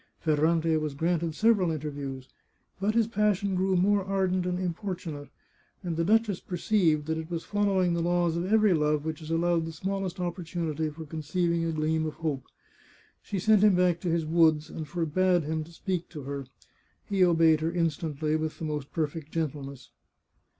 Ferrante was granted several interviews. But his passion g^ew more ardent and importunate, and the duchess perceived that it was following the laws of every love which is allowed the smallest oppor 390 The Chartreuse of Parma tunity for conceiving a gleam of hope. She sent him back to his woods, and forbade him to speak to her. He obeyed her instantly, with the most perfect gentleness.